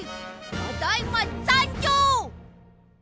ただいまさんじょう！